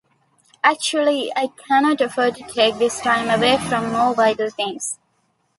Actually, I cannot afford to take this time away from more vital things.